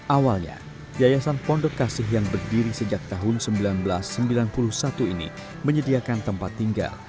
awalnya yayasan pondok kasih yang berdiri sejak tahun seribu sembilan ratus sembilan puluh satu ini menyediakan tempat tinggal